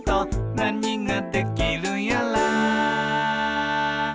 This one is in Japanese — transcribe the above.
「なにができるやら」